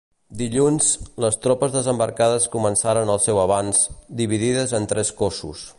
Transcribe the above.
Dilluns, les tropes desembarcades començaren el seu avanç, dividides en tres cossos.